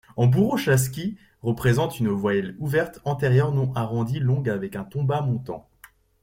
En bourouchaski, représente une voyelle ouverte antérieure non arrondie longue avec un ton bas-montant.